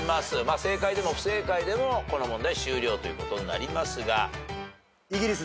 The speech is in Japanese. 正解でも不正解でもこの問題終了ということになりますが。